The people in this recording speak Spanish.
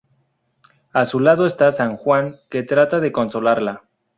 A su lado está San Juan que trata de consolarla.